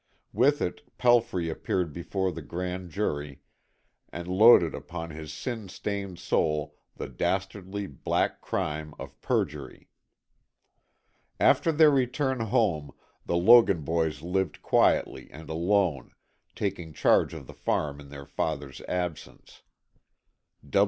With it Pelfrey appeared before the grand jury, and loaded upon his sin stained soul the dastardly, black crime of perjury. After their return home the Logan boys lived quietly and alone, taking charge of the farm in their father's absence.